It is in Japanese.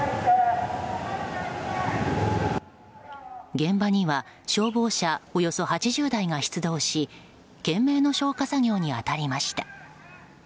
現場には消防車およそ８０台が出動し懸命の消火作業に当たりました。